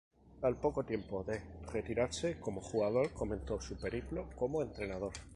Al poco tiempo de retirarse como jugador, comenzó su periplo como entrenador.